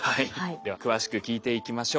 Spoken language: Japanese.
では詳しく聞いていきましょう。